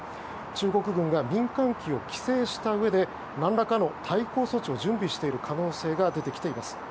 中国軍が民間機を規制したうえで何らかの対抗措置を準備している可能性が出てきています。